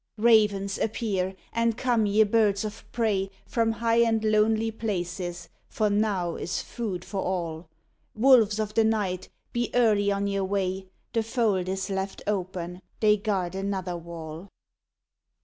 "Ravens, appear! and come, ye birds of prey From high and lonely places, for now is food for all. Wolves of the night, be early on your way ! The fold is left open; they guard another wall.